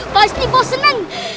pasti bos seneng